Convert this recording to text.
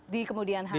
di kemudian hari